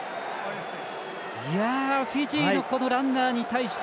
フィジーのこのランナーに対して。